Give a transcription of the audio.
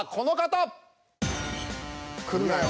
来るなよ。